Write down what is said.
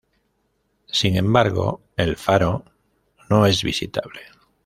Sin embargo, el faro no es visitable.